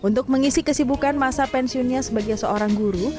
untuk mengisi kesibukan masa pensiunnya sebagai seorang guru